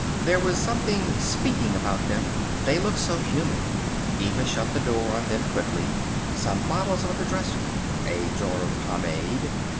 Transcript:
There was something speaking about them. They looked so human. Eva shut the door on them quickly. Some bottles on the dresser. A jar of pomade.